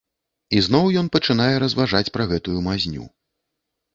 Ізноў ён пачынае разважаць пра гэтую мазню.